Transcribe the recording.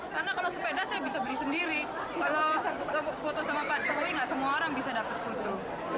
karena kalau sepeda saya bisa beli sendiri kalau foto sama pak jokowi nggak semua orang bisa dapat foto